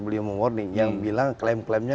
beliau mem warning yang bilang claim claimnya